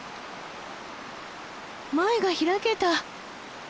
前が開けた。